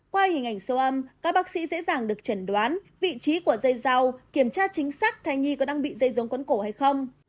qua hình ảnh siêu âm các bác sĩ dễ dàng được chẩn đoán vị trí của dây rau kiểm tra chính xác thai nhi có đang bị dây rốn cuốn cổ hay không